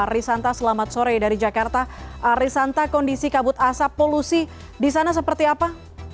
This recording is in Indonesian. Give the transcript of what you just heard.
risanta selamat sore dari jakarta risanta kondisi kabut asap polusi di sana seperti apa